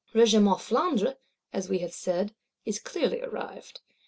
Regiment Flandre, as we said, is clearly arrived.